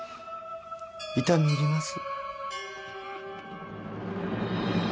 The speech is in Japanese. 痛み入ります。